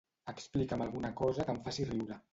Explica'm alguna cosa que em faci riure.